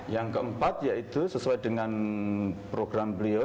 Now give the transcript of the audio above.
yang keempat yaitu sesuai dengan program beliau